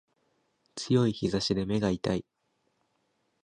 強い日差しで目が痛い